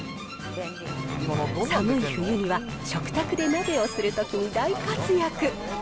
寒い冬には、食卓で鍋をするときに大活躍。